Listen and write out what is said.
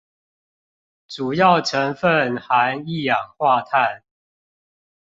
主要成分含一氧化碳